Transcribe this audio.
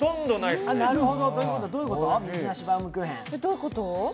どういうこと？